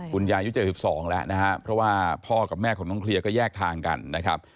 คุณยายุ๗๒แล้วนะครับเพราะว่าพ่อกับแม่ของน้องเคลียร์ก็แยกทางกันนะครับ